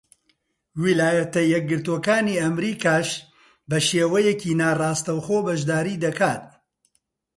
ویلایەتە یەکگرتووەکانی ئەمریکاش بە شێوەیەکی ناڕاستەوخۆ بەشداری دەکات.